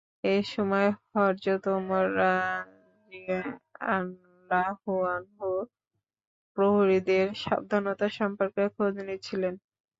এ সময় হযরত ওমর রাযিয়াল্লাহু আনহু প্রহরীদের সাবধানতা সম্পর্কে খোঁজ নিচ্ছিলেন।